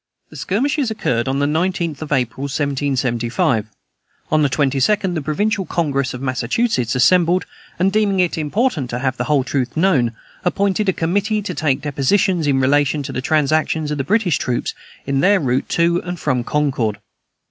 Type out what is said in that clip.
The skirmishes occurred on the 19th of April, 1775. On the 22d, the Provincial Congress of Massachusetts assembled, and, deeming it important to have the whole truth known, appointed a committee to take depositions in relation to the transactions of the British troops in their route to and from Concord.